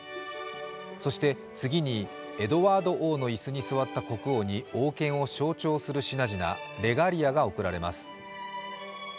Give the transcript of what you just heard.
そして次にエドワードの椅子に座った国王に王権を象徴する品々レガリアが贈られます。